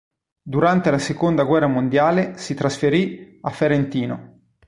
Durante la seconda guerra mondiale si trasferì a Ferentino.